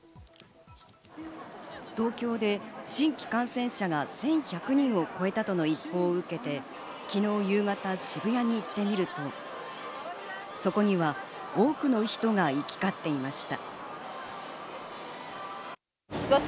東京で新規感染者が１１００人を超えたとの一報を受けて、昨日夕方、渋谷に行ってみると、そこには多くの人が行きかっていました。